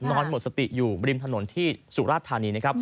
นอนหมดสติอยู่บริมทะนที่สุราชธานี